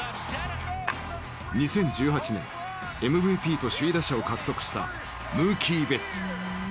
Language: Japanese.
２０１８年ＭＶＰと首位打者を獲得したムーキー・ベッツ。